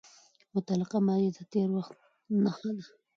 مطلقه ماضي د تېر وخت نخښه ده.